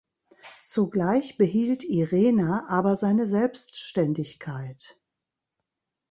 Zugleich behielt "Irena" aber seine Selbständigkeit.